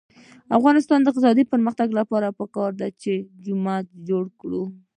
د افغانستان د اقتصادي پرمختګ لپاره پکار ده چې جومات جوړ کړو.